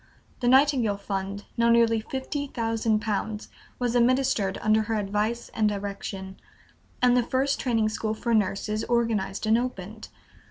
The Nightingale fund, now nearly fifty thousand pounds, was administered under her advice and direction, and the first Training School for Nurses organized and opened.